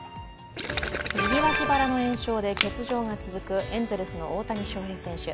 右脇腹の炎症で欠場が続く、エンゼルスの大谷翔平選手。